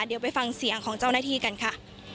เดี๋ยวไปฟังเสียงของเจ้าหน้าที่กันค่ะ